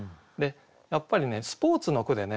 やっぱりねスポーツの句でね